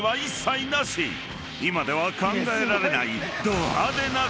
［今では考えられない］